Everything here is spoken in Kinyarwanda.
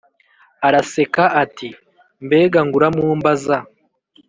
araseka ati"mbega nguramumbaza